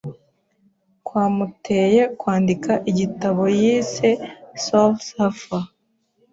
kwamuteye kwandika igitabo yise Soul Surfer,